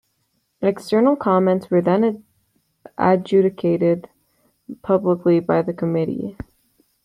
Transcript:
External comments were then adjudicated publicly by the committee.